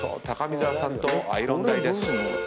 高見沢さんとアイロン台です。